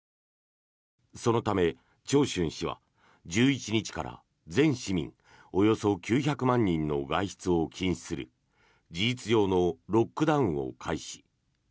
そのためチョウシュン市は１１日から全市民およそ９００万人の外出を禁止する事実上のロックダウンを開始。